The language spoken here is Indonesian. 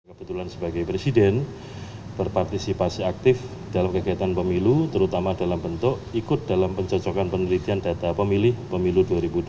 kebetulan sebagai presiden berpartisipasi aktif dalam kegiatan pemilu terutama dalam bentuk ikut dalam pencocokan penelitian data pemilih pemilu dua ribu dua puluh